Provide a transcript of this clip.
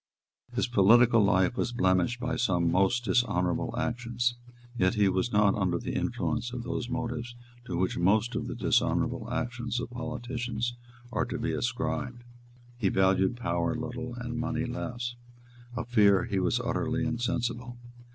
His political life was blemished by some most dishonourable actions; yet he was not under the influence of those motives to which most of the dishonourable actions of politicians are to be ascribed. He valued power little and money less. Of fear he was utterly insensible.